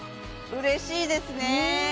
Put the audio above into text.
うん嬉しいですね